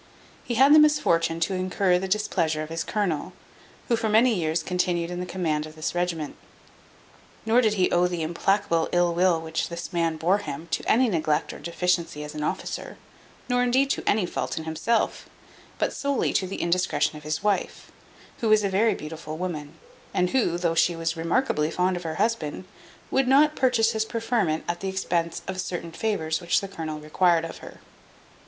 He had the misfortune to incur the displeasure of his colonel, who for many years continued in the command of this regiment. Nor did he owe the implacable ill will which this man bore him to any neglect or deficiency as an officer, nor indeed to any fault in himself; but solely to the indiscretion of his wife, who was a very beautiful woman, and who, though she was remarkably fond of her husband, would not purchase his preferment at the expense of certain favours which the colonel required of her.